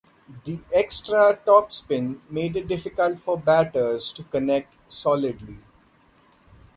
The extra topspin made it difficult for batters to connect solidly.